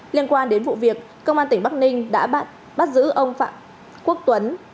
liên quan đến vụ việc công an tỉnh bắc ninh đã bắt giữ ông phạm quốc tuấn